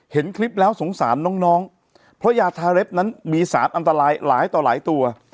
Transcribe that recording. เห็นคลิปแล้วสงสารน้องเพราะยาทาเล็บนั้นมีสารอันตรายหลายต่อหลายตัว